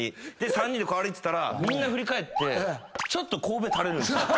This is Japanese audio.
３人でこう歩いてたらみんな振り返ってちょっとこうべ垂れるんですよ。